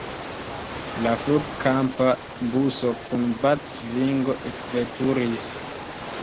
La flugkampa buso kun batsvingo ekveturis.